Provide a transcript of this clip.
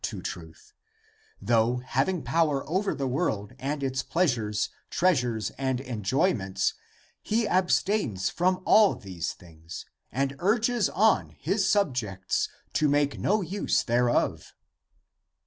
XVH, 24 27, I ACTS OF THOMAS 343 truth ;^ though having power over the v^orld and its pleasures, treasures and enjoyments, he < ab stains from> all these things and urges on his subjects to make no use thereof."